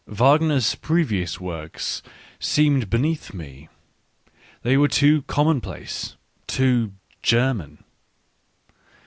Wagner's previous works seemed be neath me — they were too commonplace, too " Ger man."